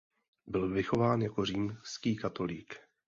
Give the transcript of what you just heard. Byl vychováván jako Římský katolík.